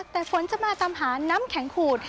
แต่ฝนจะมาตามหาน้ำแข็งขูด